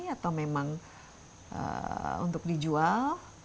atau memang untuk dijual